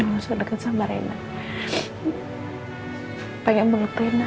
karena sama rumah seperti ini